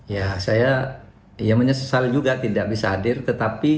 ya saya menyesal juga tidak bisa hadir tetapi